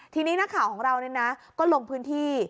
ทีนี้หน้าข่าวของเราเนี่ยนะและโดดลงที่